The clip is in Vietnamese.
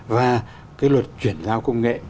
và cái luật chuyển giao công nghệ